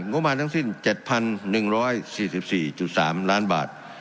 ประมาณทั้งสิ้น๗๑๔๔๓ล้านบาท